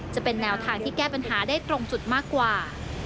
จะเป็นแนวทางที่แก้ปัญหาได้ตรงจุดมากกว่า